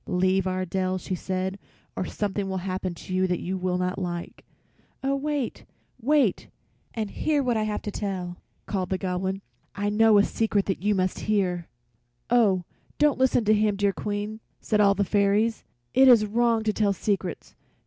"Leave our dell," she said, "or something will happen to you that you will not like." "Oh, wait, wait and hear what I have to tell!" called the Goblin. "I know a secret you must hear." "Oh, don't listen to him, dear Queen!" said all the little fairies. "It is wrong to tell secrets.